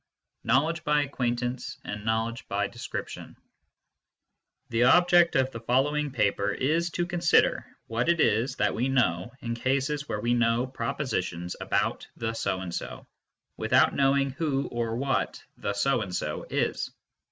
KNOWLEDGE BY ACQUAINTANCE AND KNOWLEDGE BY DESCRIPTION r I "HE object of the following paper is to consider what * it is that we know in cases where we know pro positions about "the so and so " without knowing who or what the so and so is.